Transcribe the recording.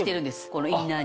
このインナーに。